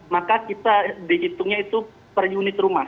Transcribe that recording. maka kita dihitungnya itu per unit rumah